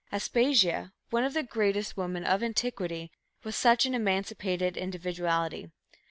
Aspasia, one of the greatest women of antiquity, was such an emancipated individuality.